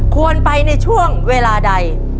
ควรไปในช่วงเวลาใด